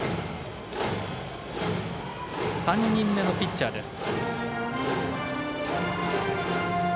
３人目のピッチャーです。